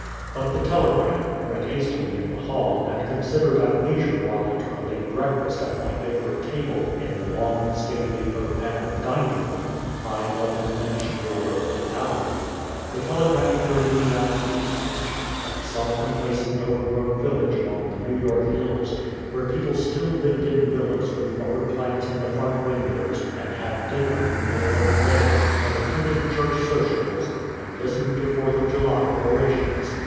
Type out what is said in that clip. But the telegram read hastily in the hall, and considered at leisure while I took a late breakfast at my favorite table in the long, stately, oak panelled dining room, high above the diminished roar of Fifth Avenue the telegram carried me out to Eastridge, that self complacent overgrown village among the New York hills, where people still lived in villas with rubber plants in the front windows, and had dinner in the middle of the day, and attended church sociables, and listened to Fourth of July orations.